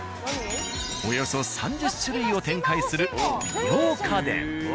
およそ３０種類を展開する美容家電。